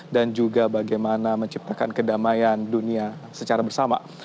dan juga bagaimana menciptakan kedamaian dunia secara bersama